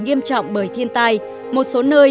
nghiêm trọng bởi thiên tai một số nơi